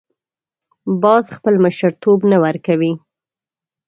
باز خپل مشرتوب نه ورکوي